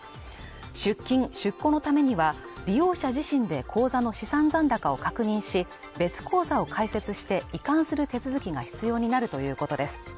出金・出庫のためには、利用者自身で口座の資産残高を確認し別口座を開設して移管する手続きが必要になるということです。